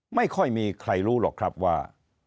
ไม่ค่อยมีใครรู้หรอกครับว่า